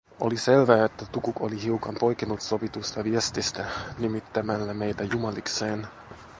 Oli selvää, että Tukuk oli hiukan poikennut sovitusta viestistä nimittämällä meitä jumalikseen.